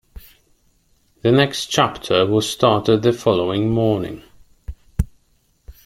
The next chapter was started the following morning.